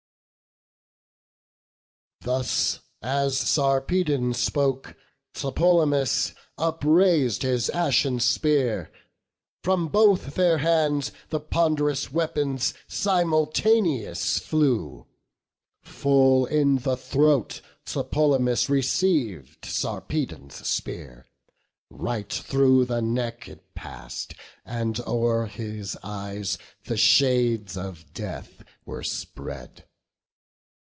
Thus as Sarpedon spoke, Tlepolemus Uprais'd his ashen spear; from both their hands The pond'rous weapons simultaneous flew. Full in the throat Tlepolemus receiv'd Sarpedon's spear; right through the neck it pass'd, And o'er his eyes the shades of death were spread.